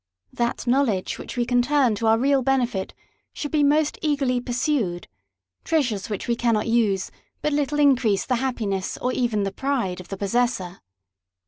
That knowledge which we can turn to our real benefit should be most eagerly pursued. Treasures which we cannot use but little increase the happiness or even the pride of the possessor.